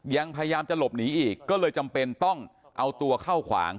ยังพยายามจะหลบหนีอีกก็เลยจำเป็นต้องเอาตัวเข้าขวาง